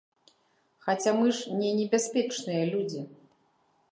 Хаця мы ж не небяспечныя людзі.